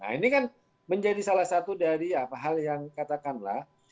nah ini kan menjadi salah satu dari hal yang katakanlah